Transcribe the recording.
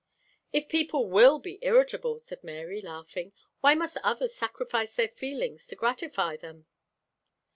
"If people will be irritable," said Mary, laughing, "why must others sacrifice their feelings to gratify them?"